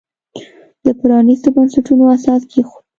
د پرانیستو بنسټونو اساس کېښود.